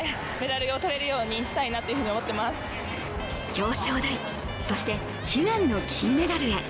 表彰台、そして悲願の金メダルへ。